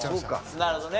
なるほどね。